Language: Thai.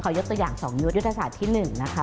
ยกตัวอย่าง๒ยุทธศาสตร์ที่๑นะคะ